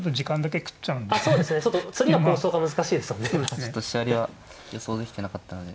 ちょっと飛車寄りは予想できてなかったのでこちらも。